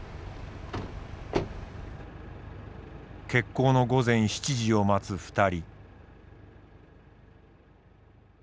決行の午前７時を待つ２人。